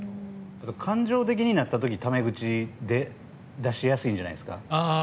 感情的になった時、タメ口出しやすいんじゃないですか？